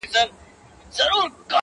دې ښار کښې عياشي کېږې د مېنې پۀ نامه